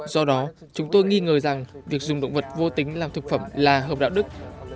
do đó chúng tôi nghi ngờ rằng việc dùng động vật vô tính làm thực phẩm là hợp đạo đức